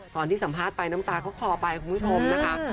ตอนที่สัมภาษณ์ไปน้ำตาเขาคอไปคุณผู้ชมนะคะ